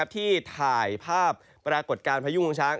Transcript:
ที่ถ่ายภาพปรากฏการณ์พายุงวงช้าง